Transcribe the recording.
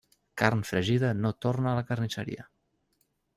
Carn fregida no torna a la carnisseria.